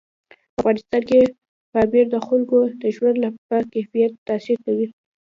په افغانستان کې پامیر د خلکو د ژوند په کیفیت تاثیر کوي.